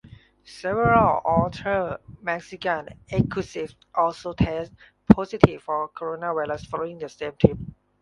Several other Mexican executives also tested positive for coronavirus following the same trip.